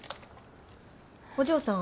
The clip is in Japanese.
お嬢さん。